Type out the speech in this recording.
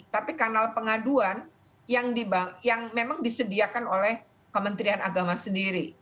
tapi kanal pengaduan yang memang disediakan oleh kementerian agama sendiri